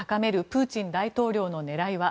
プーチン大統領の狙いは。